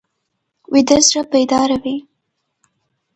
ویده زړه بیداره وي